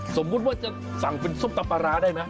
สมมุติว่าจะสั่งเป็นส้มตำปลาร้าได้ไหม